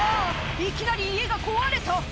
いきなり家が壊れた！